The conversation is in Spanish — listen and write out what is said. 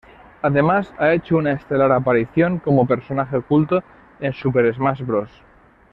Además, ha hecho una estelar aparición como personaje oculto en "Super Smash Bros.